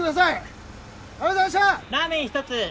ラーメン１つ。